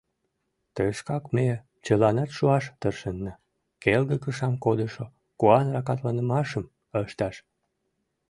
Тышкак ме чыланат шуаш тыршенна – келге кышам кодышо куан-ракатланымашым ышташ.